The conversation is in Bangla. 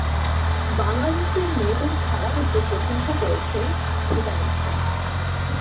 বাংলাদেশের মেয়েদের খেলা দেখে প্রশংসা করছে ভুটানিজরা।